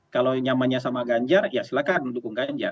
kalau nyamannya sama ganjar ya silahkan mendukung ganjar